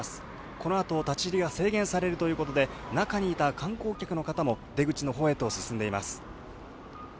このあと立ち入りが制限されるということで、中にいた観光客の方も、出口のほうへと進んでいます。